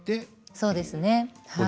そうですねはい。